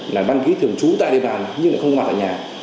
là đăng ký thường trú tại địa bàn nhưng lại không mặt ở nhà